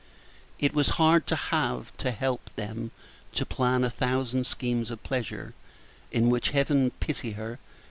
It was hard to have to help them to plan a thousand schemes of pleasure, in which Heaven pity her!